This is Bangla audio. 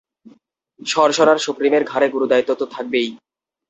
সরসরার সুপ্রিমের ঘাড়ে গুরুদায়িত্ব তো থাকবেই।